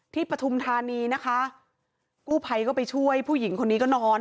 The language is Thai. ปฐุมธานีนะคะกู้ภัยก็ไปช่วยผู้หญิงคนนี้ก็นอน